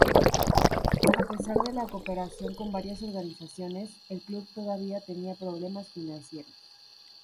A pesar de la cooperación con varias organizaciones, el club todavía tenía problemas financieros.